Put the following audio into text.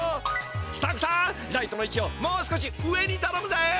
スタッフさんライトのいちをもう少し上にたのむぜ！